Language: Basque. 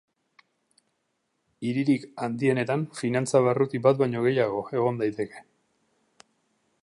Hiririk handienetan finantza barruti bat baino gehiago egon daiteke.